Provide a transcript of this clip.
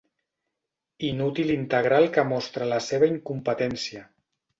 Inútil integral que mostra la seva incompetència.